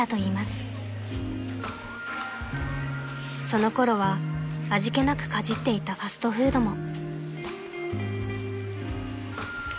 ［そのころは味気なくかじっていたファストフードも］